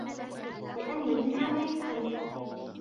لِأَنَّ مِنْهَا مَا يَسْتَمِدُّ